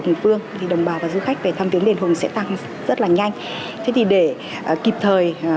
hùng vương thì đồng bào và du khách về thăm biến đền hùng sẽ tăng rất là nhanh thế thì để kịp thời